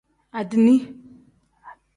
Adiini.